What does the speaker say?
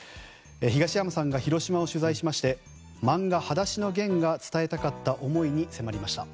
東山さんが広島を取材しまして漫画「はだしのゲン」が伝えたかった思いに迫りました。